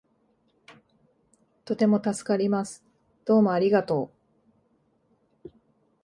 とても助かります。どうもありがとう